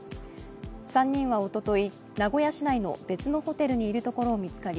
３人はおととい、名古屋市内の別のホテルにいるところを見つかり